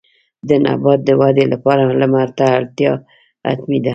د نبات د ودې لپاره لمر ته اړتیا حتمي ده.